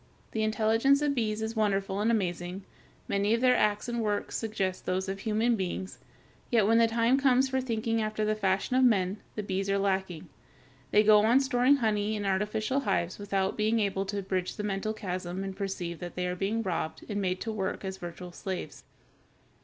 The intelligence of bees is wonderful and amazing. Many of their acts and works suggest those of human beings, yet when the time comes for thinking after the fashion of men, the bees are lacking. They go on storing honey in artificial hives without being able to bridge the mental chasm and perceive that they are being robbed and made to work as virtual slaves.